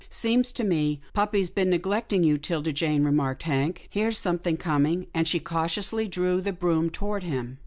" Seems to me puppy's been neglecting you, 'Tilda Jane," remarked Hank. " Here's something com ing," and he cautiously drew the broom toward him.